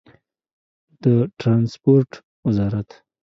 د ټرانسپورټ وزارت